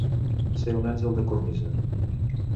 Ser un àngel de cornisa.